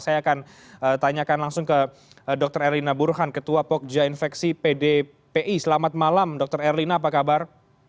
saya akan tanyakan langsung ke dr erlina burhan ketua pogja infeksi pdpi selamat malam dr erlina apa kabar